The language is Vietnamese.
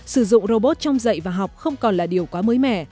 sử dụng robot trong dạy và học không còn là điều quá mới mẻ